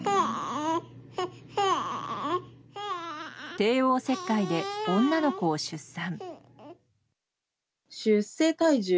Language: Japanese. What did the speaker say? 帝王切開で女の子を出産。